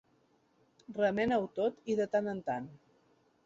Remena-ho tot i de tant en tant.